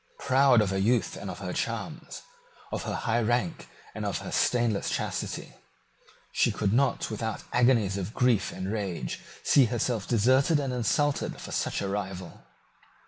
Proud of her youth and of her charms, of her high rank and of her stainless chastity, she could not without agonies of grief and rage see herself deserted and insulted for such a rival.